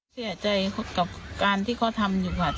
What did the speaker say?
เสียใจกับการที่เขาทำอยู่ค่ะ